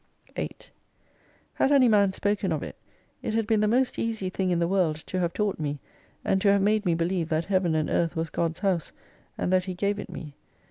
8 Had any man spoken of it, it had been the most easy thing in the world, to have taught me, and to have made me believe that Heaven and Earth was God's House, and that He gave it me.